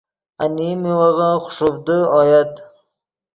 انیم میوغے خوݰوڤدے اویت۔